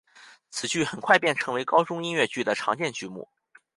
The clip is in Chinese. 此剧很快便成为高中音乐剧的常见剧目。